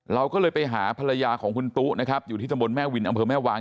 เราก็เลยไปหาภรรยาของคุณตุ๊นะครับอยู่ที่ตำบลแม่วินอำเภอแม่วาง